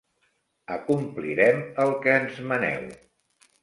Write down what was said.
Acomplirem el que ens maneu.